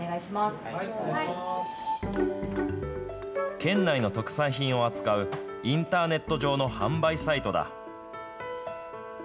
県内の特産品を扱うインターネット上の販売サイトだ。